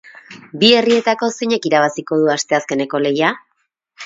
Bi herrietako zeinek irabaziko du asteazkeneko lehia?